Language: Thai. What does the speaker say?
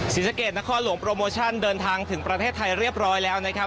ศรีสะเกดนครหลวงโปรโมชั่นเดินทางถึงประเทศไทยเรียบร้อยแล้วนะครับ